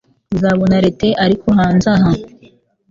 Uzabona Lethe ariko hanze aha